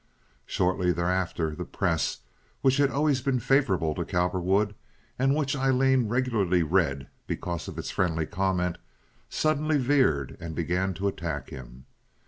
Shortly thereafter the Press, which had always been favorable to Cowperwood, and which Aileen regularly read because of its friendly comment, suddenly veered and began to attack him.